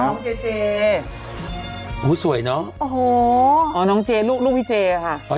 โอ้โฮสวยเนอะโอ้โฮน้องเจ๊ลูกพี่เจ๊ค่ะ